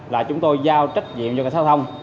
là chúng tôi giao trách nhiệm cho cảnh sát giao thông